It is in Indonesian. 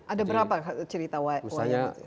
ada berapa cerita wayang itu